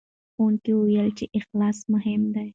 ښوونکي وویل چې اخلاص مهم دی.